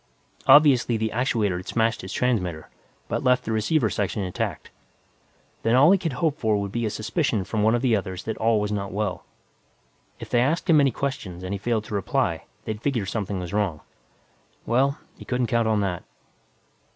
Obviously, the actuator had smashed his transmitter, but left the receiver section intact. Then all he could hope for would be a suspicion from one of the others that all was not well. If they asked him any questions and he failed to reply, they'd figure something was wrong. Well, he couldn't count on that.